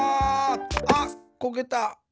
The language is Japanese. あっこけた。